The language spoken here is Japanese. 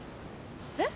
えっ？